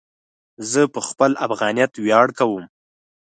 زه په خپل افغانیت ویاړ کوم.